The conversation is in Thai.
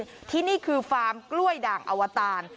อ่ะที่นี่คือฟาร์มกล้วยดางเอาะตาล